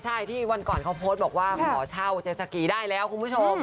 ใช่ที่วันก่อนเขาโพสต์บอกว่าขอเช่าเจสกีได้แล้วคุณผู้ชม